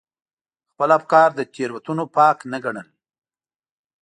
خپل افکار له تېروتنو پاک نه ګڼل.